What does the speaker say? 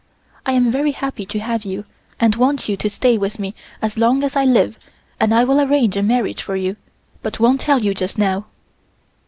I am very happy to have you and want you to stay with me as long as I live and I will arrange a marriage for you, but won't tell you just now."